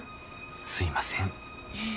すいません。